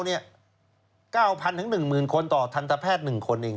๙๐๐๐ถึง๑๐๐๐๐คนต่อทันทะแพทย์หนึ่งคนเอง